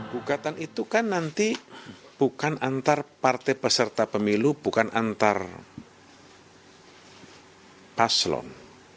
gugatan itu kan nanti bukan antar partai peserta pemilu bukan antar paslon